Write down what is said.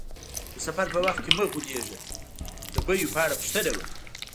د سفر په وخت کې مه غولیږه، د بیو په اړه پوښتنه وکړه.